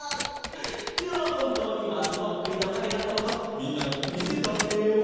ではほんとうにまつぼっくりのかげだったのかみんなにみせてあげよう！